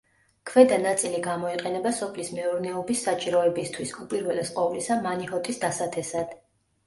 ქვედა ნაწილი გამოიყენება სოფლის მეურნეობის საჭიროებისთვის, უპირველეს ყოვლისა მანიჰოტის დასათესად.